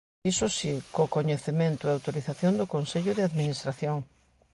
Iso si, "co coñecemento e autorización do Consello de Administración".